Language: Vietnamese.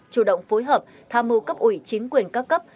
chủ động phối hợp tham mưu cấp ủy chính quyền các cấp